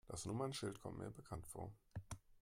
Das Nummernschild kommt mir bekannt vor.